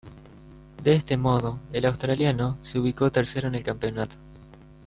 De este modo, el australiano se ubicó tercero en el campeonato.